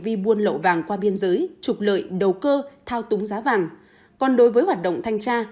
vi buôn lậu vàng qua biên giới trục lợi đầu cơ thao túng giá vàng còn đối với hoạt động thanh tra